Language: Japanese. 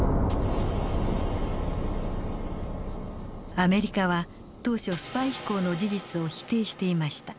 アメリカは当初スパイ飛行の事実を否定していました。